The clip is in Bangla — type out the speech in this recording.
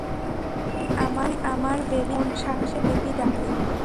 তুই আমার বেবিকে কোন সাহসে বেবি ডাকলি?